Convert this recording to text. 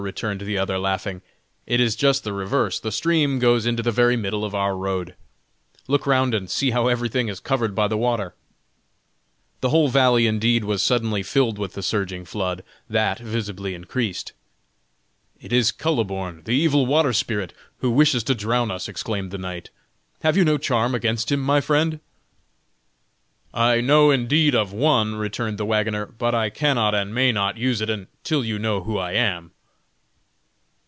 returned the other, laughing, "it is just the reverse, the stream goes into the very middle of our road. Look round and see how everything is covered by the water." The whole valley indeed was suddenly filled with the surging flood, that visibly increased. "It is Kuhleborn, the evil water spirit, who wishes to drown us!" exclaimed the knight. "Have you no charm, against him, my friend?" "I know indeed of one," returned the wagoner, "but I cannot and may not use it until you know who I am."